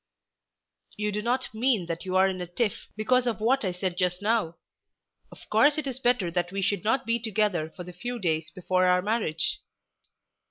"You do not mean that you're in a tiff because of what I said just now. Of course it is better that we should not be together for the few days before our marriage."